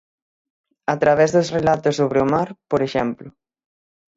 A través dos relatos sobre o mar, por exemplo.